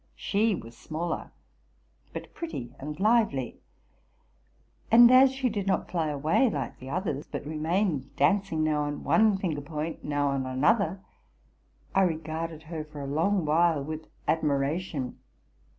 She was smaller, but pretty 'and liv ely; and as she did not fly away like the others, but remained dancing, now on one finger point, now on another, I regarded her for a long while with admiration.